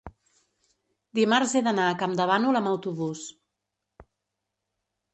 dimarts he d'anar a Campdevànol amb autobús.